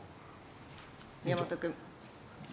宮本君。